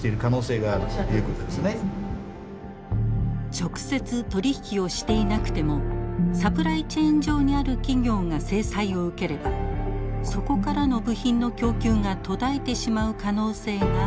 直接取り引きをしていなくてもサプライチェーン上にある企業が制裁を受ければそこからの部品の供給が途絶えてしまう可能性が浮き彫りになりました。